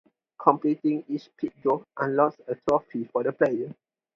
Completing each peak goal unlocks a trophy for the player.